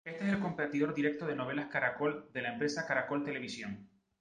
Este es el competidor directo de Novelas Caracol de la empresa Caracol Televisión.